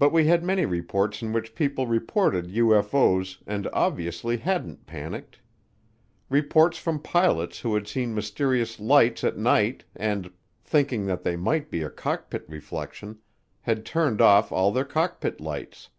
But we had many reports in which people reported UFO's and obviously hadn't panicked. Reports from pilots who had seen mysterious lights at night and, thinking that they might be a cockpit reflection, had turned off all their cockpit lights.